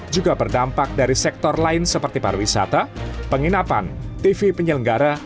juga berdampak dari sektor lain seperti pariwisata penginapan tv penyelenggara